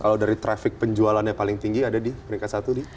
kalau dari traffic penjualannya paling tinggi ada di peringkat satu di